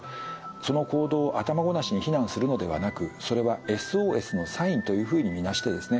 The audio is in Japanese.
その行動を頭ごなしに非難するのではなくそれはＳＯＳのサインというふうに見なしてですね